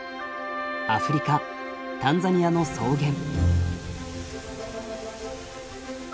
アフリカタンザニアの草原。